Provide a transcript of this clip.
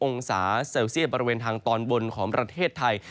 องศาเซลเซียตบริเวณทางตอนบนของประเทศไทย